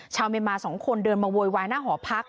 ชาวเมียนมา๒คนเดินมาโวยวายหน้าหอพัก